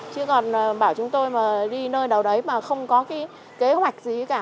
chứ còn bảo chúng tôi mà đi nơi nào đấy mà không có cái kế hoạch gì cả